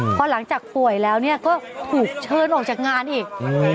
พอหลังจากป่วยแล้วก็ถูกเชิญออกจากงานอีก